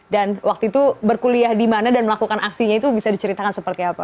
dan waktu itu berkuliah di mana dan melakukan aksinya itu bisa diceritakan seperti apa